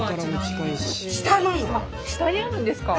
下にあるんですか！